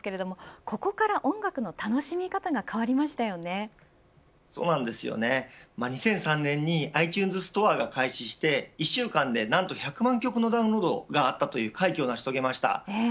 ここから音楽の楽しみ方が２００３年にｉＴｕｎｅｓストアが開始して１週間で１００万曲のダウンロードがあったという快挙を成し遂げました。